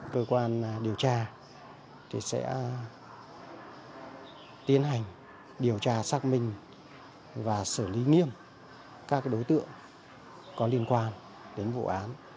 cơ quan điều tra sẽ tiến hành điều tra xác minh và xử lý nghiêm các đối tượng có liên quan đến vụ án